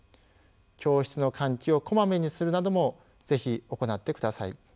教室の換気をこまめにするなども是非行ってください。